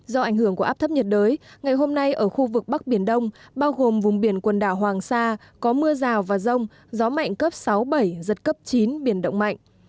do ảnh hưởng của áp thấp nhiệt đới ngày hôm nay ở khu vực bắc biển đông bao gồm vùng biển quần đảo hoàng sa có mưa rào và rông gió mạnh cấp sáu bảy giật cấp chín biển động mạnh